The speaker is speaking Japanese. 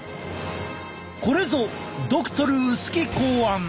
これぞドクトル薄木考案！